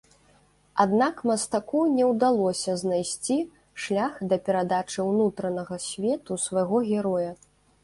Аднак мастаку не ўдалося знайсці шлях да перадачы ўнутранага свету свайго героя.